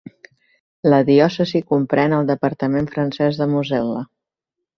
La diòcesi comprèn el departament francès de Mosel·la.